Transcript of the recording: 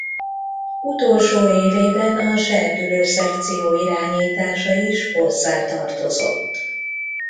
Utolsó évében a serdülő szekció irányítása is hozzá tartozott.